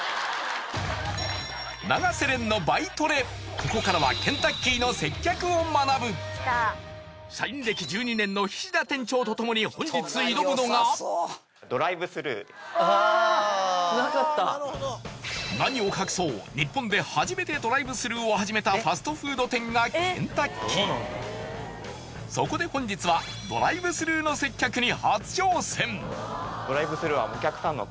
ここからはケンタッキーの接客を学ぶ菱田店長と共に本日挑むのが何を隠そう日本で初めてドライブスルーを始めたファストフード店がケンタッキーそこで本日は確かに。